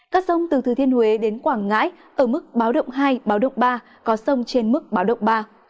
các sông từ thừa thiên huế đến quảng ngãi ở mức báo động hai báo động ba có sông trên mức báo động ba